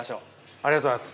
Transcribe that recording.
ありがとうございます。